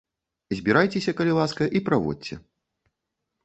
Збірайцеся, калі ласка, і праводзьце.